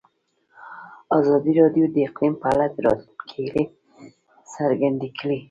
ازادي راډیو د اقلیم په اړه د راتلونکي هیلې څرګندې کړې.